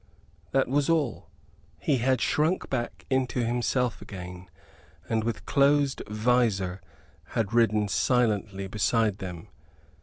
That was all. He had shrunk back into himself again; and with closed visor had ridden silently beside them.